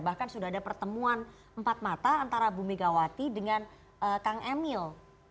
bahkan sudah ada pertemuan empat mata antara bu megawati dengan kang emil